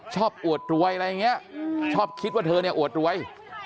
อวดรวยอะไรอย่างนี้ชอบคิดว่าเธอเนี่ยอวดรวย